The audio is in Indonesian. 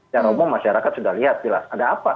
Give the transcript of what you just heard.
jangan ngomong masyarakat sudah lihat jelas ada apa